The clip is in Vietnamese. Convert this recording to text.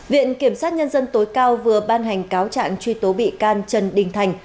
viện kiểm sát nhân dân tối cao vừa ban hành cáo trạng truy tố bị can trần đình thành